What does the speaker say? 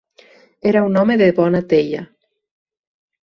Era un home de bona teia.